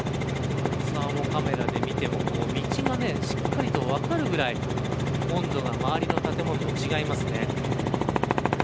サーモカメラで見ても道がしっかりと分かるぐらい温度が、周りの建物と違いますね。